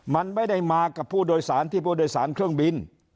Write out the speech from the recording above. มันไม่ได้มากับผู้โดยสารที่ผู้โดยสารเครื่องบิน